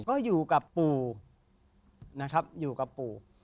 ก็อยู่กับปู่นะครับอยู่กับปู่